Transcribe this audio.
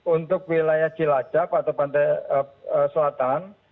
untuk wilayah cilacap atau pantai selatan